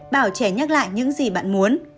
bảo trẻ nhắc lại những gì bạn muốn